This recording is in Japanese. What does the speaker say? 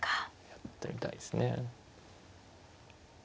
やってみたいですね。